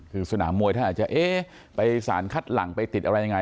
คือสนามมวยถ้าจะไปสารคัดหลังไปติดอะไรยังไง